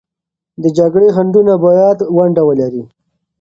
د جګړې خنډونه باید ونډه ولري.